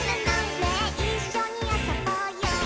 「ねえいっしょにあそぼうよ」